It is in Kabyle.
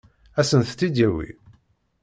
Ad sent-tt-id-yawi?